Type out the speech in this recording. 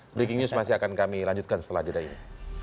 breaking news masih akan kami lanjutkan setelah jeda ini